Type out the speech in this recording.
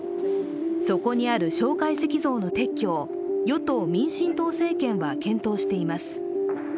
そこにある蒋介石像の撤去を与党・民進党政権は検討しています